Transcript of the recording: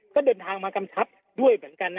ก็เดินทางมากำชับด้วยเหมือนกันนะ